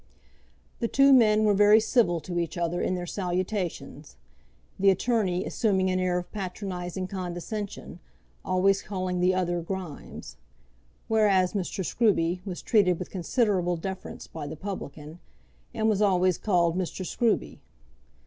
The two men were very civil to each other in their salutations, the attorney assuming an air of patronizing condescension, always calling the other Grimes; whereas Mr. Scruby was treated with considerable deference by the publican, and was always called Mr. Scruby.